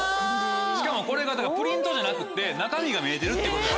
しかもこれがプリントじゃなくて中身が見えてるってことや。